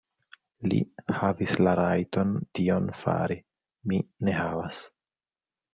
Li havis la rajton tion fari; mi ne havas.